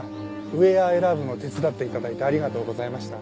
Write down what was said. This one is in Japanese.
ウェア選ぶの手伝って頂いてありがとうございました。